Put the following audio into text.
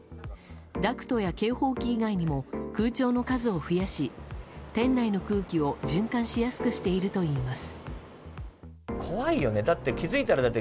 ダクトや警報器以外にも空調の数を増やし店内の空気を循環しやすくしているといいます。